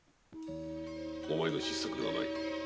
お前の失策ではない。